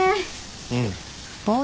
うん。